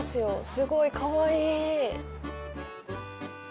すごいかわいい。